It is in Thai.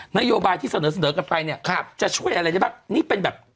นโยบายที่เสนอเสนอกันไปเนี้ยครับอย่างไรเนี่ยเนี่ยแต่นี่เป็นแบบ